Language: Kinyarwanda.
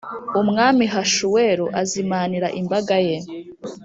umwami hashuweru azimanira imbaga ye